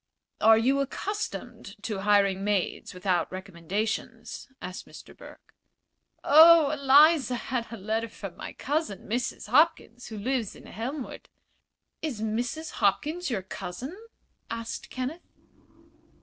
"Are you accustomed to hiring maids without recommendations?" asked Mr. Burke. "Oh, Eliza had a letter from my cousin, Mrs. Hopkins, who lives in Elmwood." "Is Mrs. Hopkins your cousin?" asked Kenneth.